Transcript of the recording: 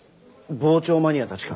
傍聴マニアたちか。